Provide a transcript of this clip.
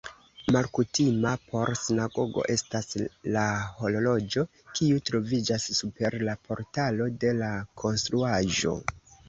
Malkutima por sinagogo estas la horloĝo, kiu troviĝas super la portalo de la konstruaĵo.